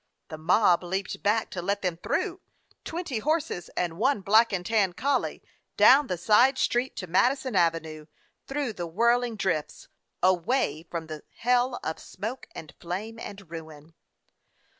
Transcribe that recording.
The mob leaped back to let them through — twenty horses and one black and tan collie — down the side street to Madison Avenue through the whirling drifts, away from the hell of smoke and flame and ruin.